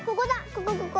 ここここ。